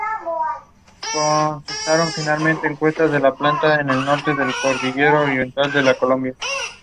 With the assistance of Chief Det.